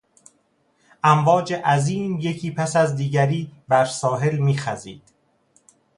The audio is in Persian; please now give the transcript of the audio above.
امواج عظیم یکی پس از دیگری بر ساحل میخزید.